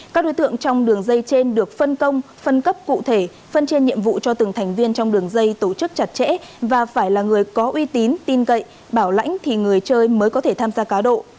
các đối tượng trong đường dây trên được phân công phân cấp cụ thể phân trên nhiệm vụ cho từng thành viên trong đường dây tổ chức chặt chẽ và phải là người có uy tín tin cậy bảo lãnh thì người chơi mới có thể tham gia cá độ